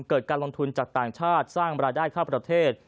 เกิดการลงทุนจากต่างชาติสร้างบรรดาข้าวประเทศ